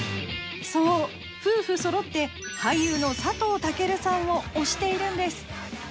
そう、夫婦そろって俳優の佐藤健さんを推しているんです。